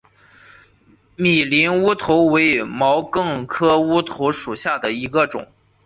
米林乌头为毛茛科乌头属下的一个种。